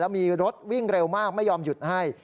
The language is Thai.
มีรถวิ่งเร็วมากไม่ยอมหยุดให้